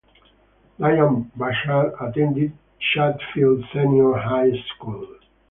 Dian Bachar attended Chatfield Senior High School.